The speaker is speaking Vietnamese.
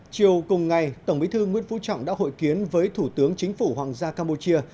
chiều cùng ngày tổng bí thư nguyễn phú trọng đã hội kiến với thủ tướng chính phủ hoàng gia campuchia